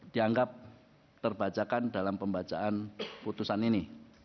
dianggap terbajakan dalam pembajaan putusan ini